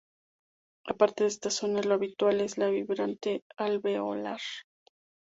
Aparte de estas zonas, lo habitual es la vibrante alveolar.